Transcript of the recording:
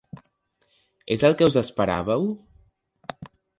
És el que us esperàveu?